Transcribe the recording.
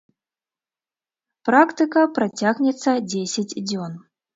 Практыка працягнецца дзесяць дзён.